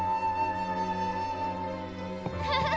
フフフッ！